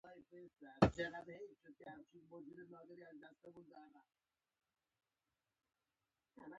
د یویشتمې پېړۍ روانو جګړو ځینو ذهنونو ته ټکان ورکړ.